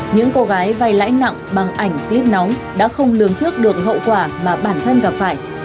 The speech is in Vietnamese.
những cô gái vay lãi nặng bằng ảnh clip nóng đã không lường trước được hậu quả mà bản thân gặp phải